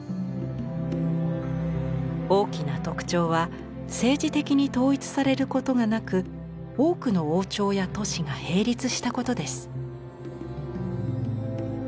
大きな特徴は政治的に統一されることがなく多くの王朝や都市が並立したことです。